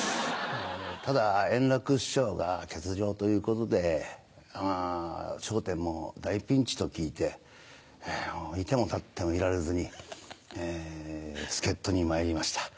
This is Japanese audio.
ただ円楽師匠が欠場ということで『笑点』も大ピンチと聞いて居ても立ってもいられずに助っ人にまいりました。